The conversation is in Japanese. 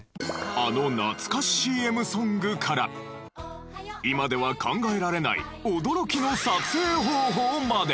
あの懐かしＣＭソングから今では考えられない驚きの撮影方法まで。